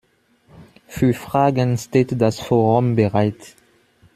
Für Fragen steht das Forum bereit.